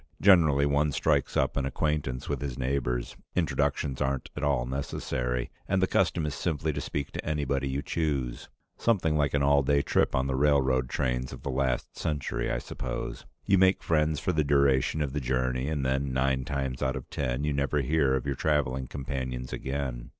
Generally, one strikes up an acquaintance with his neighbors; introductions aren't at all necessary, and the custom is simply to speak to anybody you choose something like an all day trip on the railroad trains of the last century, I suppose. You make friends for the duration of the journey, and then, nine times out of ten, you never hear of your traveling companions again.